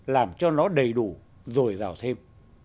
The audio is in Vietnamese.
làm cho nó đầy đủ rồi giàu thêm